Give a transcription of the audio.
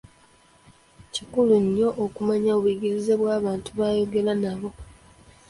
Kikulu nnyo okumanya obuyigirize bw'abantu boyogera nabo.